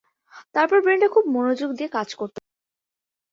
তারপর ব্রেন্ডা খুব মনোযোগ দিয়ে কাজ করতে লাগল।